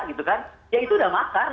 itu sudah makar